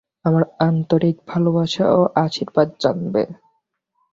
আমার আন্তরিক ভালবাসা ও আশীর্বাদ জানবে।